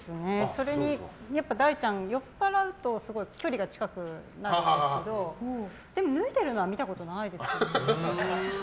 それにやっぱり、だいちゃん酔っぱらうと距離が近くなるんですけどでも、脱いでるのは見たことないですよ。